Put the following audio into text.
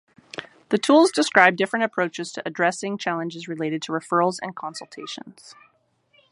The tools describe different approaches to addressing challenges related to referrals and consultations.